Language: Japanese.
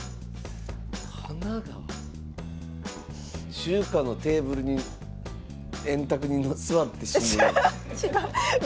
中華のテーブルに円卓に座って新聞読んでる。